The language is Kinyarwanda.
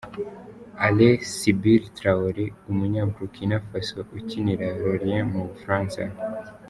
Alain Sibiri Traore , umunya Burukina-faso ukinira Lorient mu Bufaransa.